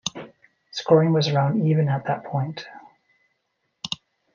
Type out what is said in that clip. Scoring was around even at that point.